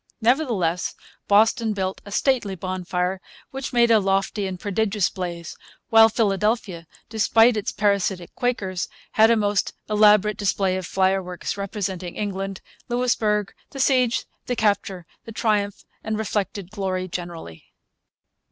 Nevertheless Boston built a 'stately bonfire,' which made a 'lofty and prodigious blaze'; while Philadelphia, despite its parasitic Quakers, had a most elaborate display of fireworks representing England, Louisbourg, the siege, the capture, the triumph, and reflected glory generally.